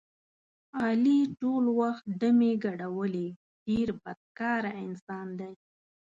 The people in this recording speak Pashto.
علي ټول وخت ډمې ګډولې ډېر بدکاره انسان دی.